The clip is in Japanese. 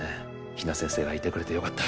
比奈先生がいてくれてよかった！